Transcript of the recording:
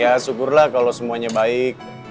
ya syukurlah kalau semuanya baik